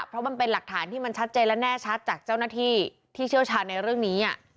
เพราะมันเป็นหลักฐานที่มันชัดเจนและแน่ชัดจากเจ้าหน้าที่ที่เชี่ยวชาญในเรื่องนี้